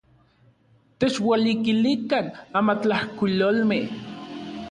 Techualikilikan amatlajkuilolmej.